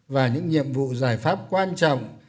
và những nhiệm vụ giải pháp quan trọng